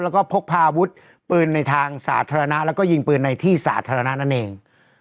แล้วก็พกพาอาวุธปืนในทางสาธารณะแล้วก็ยิงปืนในที่สาธารณะนั่นเอง